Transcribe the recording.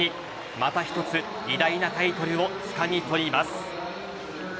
また一つ、偉大なタイトルをつかみ取ります。